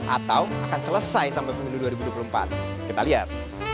atau akan selesai sampai pemilu dua ribu dua puluh empat kita lihat